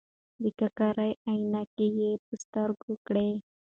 د ککرۍ عینکې یې په سترګو کړې.